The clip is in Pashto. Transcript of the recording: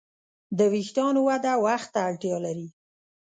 د وېښتیانو وده وخت ته اړتیا لري.